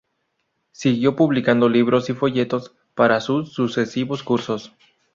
Siguió publicando libros y folletos para sus sucesivos cursos.